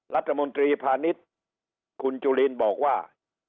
รัฐมนตรีพาณิชย์คุณจุลินบอกว่า